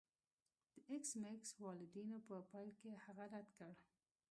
د ایس میکس والدینو په پیل کې هغه رد کړ